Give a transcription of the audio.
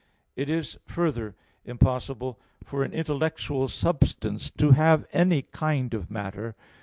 It is, further, impossible for an intellectual substance to have any kind of matter.